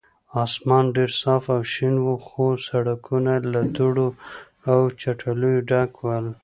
اسمان ډېر صاف او شین و، خو سړکونه له دوړو او چټلیو ډک ول.